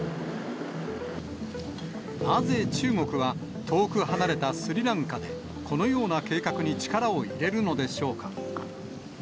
なぜ中国は、遠く離れたスリランカで、このような計画に力を入れるのでしょうか。